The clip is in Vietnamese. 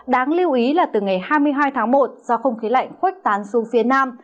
đáng lưu ý là từ ngày hai mươi hai tháng một do không khí lạnh khoách tán xuống phía nam